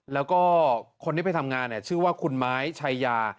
แล้วก็คนที่ไปทำงานชื่อว่าคุณไม้ชายา